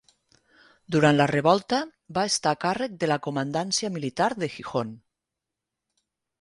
Durant la revolta va estar a càrrec de la comandància militar de Gijón.